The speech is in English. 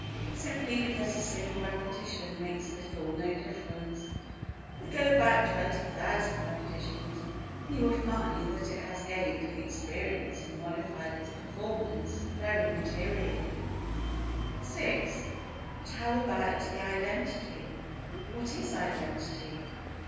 Simply because a single repetition makes little or no difference; but go back 20,000 repetitions and you will find that it has gained in experience and modified its performance very materially. 6. But how about the identity? What is identity?